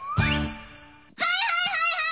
はいはいはいはいはい！